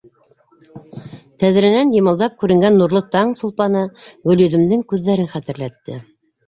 Тәҙрәнән йымылдап күренгән нурлы таң сулпаны Гөл-йөҙөмдөң күҙҙәрен хәтерләтте.